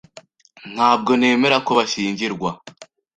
Ntabwo nemera ko bashyingirwa.